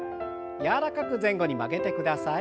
柔らかく前後に曲げてください。